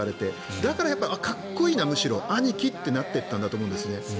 だから、かっこいいな、むしろアニキってなっていったんだと思うんですね。